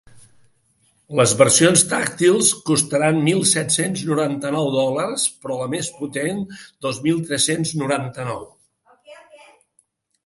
Les versions tàctils costaran mil set-cents noranta-nou dòlars, però la més potent, dos mil tres-cents noranta-nou.